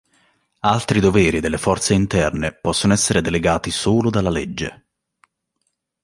Altri doveri delle forze interne possono essere delegati solo dalla legge.